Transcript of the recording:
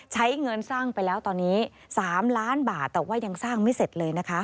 ใช้เงินสร้างไปแล้วตอนนี้๓ล้านบาทแต่ว่ายังสร้างไม่เสร็จเลยนะคะ